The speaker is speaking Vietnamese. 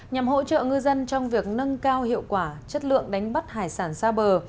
nhằm hỗ trợ ngư dân trong việc nâng cao hiệu quả chất lượng đánh bắt hải sản xa bờ